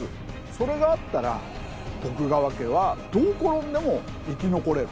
それがあったら徳川家はどう転んでも生き残れる。